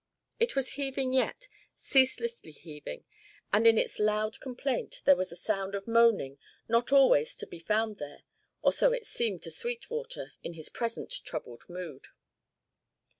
It was heaving yet, ceaselessly heaving, and in its loud complaint there was a sound of moaning not always to be found there, or so it seemed to Sweetwater in his present troubled mood.